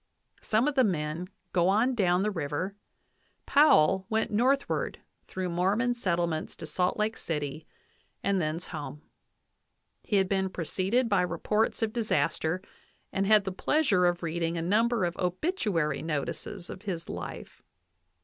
Some of the men go on down the river ; Powell went northward through Mormon settlements to Salt Lake City, and thence home. He had been preceded by reports of disaster, and had the pleasure of reading a number of obituary notices of his life.